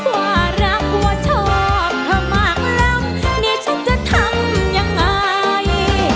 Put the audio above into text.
ว่ารักว่าชอบเธอมากแล้วนี่ฉันจะทำยังไง